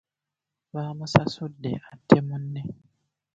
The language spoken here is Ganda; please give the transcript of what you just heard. Bamusasudde atte munne.